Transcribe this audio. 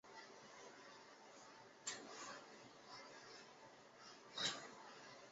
中间最高的一座与崇圣寺大门构成景区中轴线。